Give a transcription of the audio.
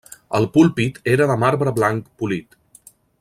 El púlpit era de marbre blanc polit.